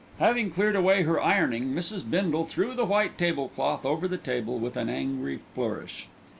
Having cleared away her ironing, Mrs. Bindle threw the white tablecloth over the table with an angry flourish.